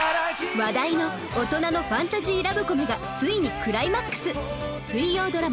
話題の大人のファンタジーラブコメがついにクライマックス